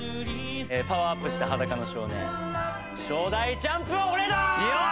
パワーアップした『裸の少年』初代チャンプは俺だー！